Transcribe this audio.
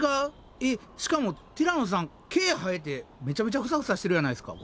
えっしかもティラノさん毛生えてめちゃめちゃフサフサしてるやないですかこれ。